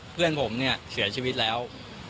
เพื่อนผมเสียชีวิตแล้ว